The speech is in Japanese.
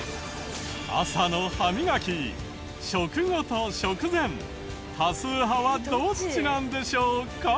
朝の歯みがき食後と食前多数派はどっちなんでしょうか？